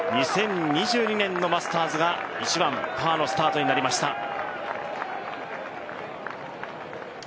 ２０２２年のマスターズが１番、パーのスタートになりました。